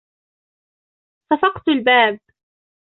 صفقت الباب.